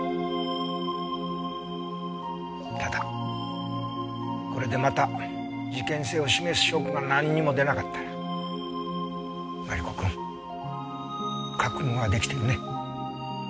ただこれでまた事件性を示す証拠がなんにも出なかったらマリコくん覚悟は出来てるね？